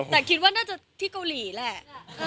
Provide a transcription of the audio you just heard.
แต่คิดว่าน่าจะที่เกาหลีแหละ